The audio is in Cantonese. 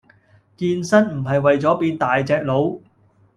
健身唔係為左變大隻佬